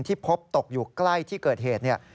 พบตกอยู่ใกล้ที่เกิดเหตุ